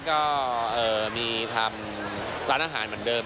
ก็มีทำร้านอาหารเหมือนเดิม